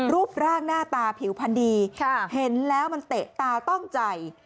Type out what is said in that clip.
รูปร่างหน้าตาผิวพันดีเห็นแล้วมันเตะตาต้องใจ